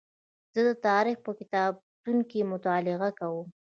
زه د تاریخ په کتابتون کې مطالعه کوم.